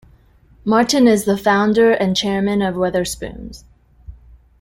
Martin is the founder and chairman of Wetherspoons.